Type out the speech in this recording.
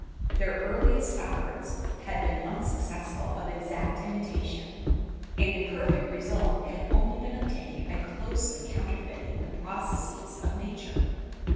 Their earliest efforts had been unsuccessful of exact imitation, and a perfect result had only been obtained by closely counterfeiting the processes of nature.